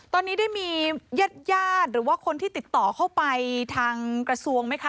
ตอนนี้ได้มีญาติญาติหรือว่าคนที่ติดต่อเข้าไปทางกระทรวงไหมคะ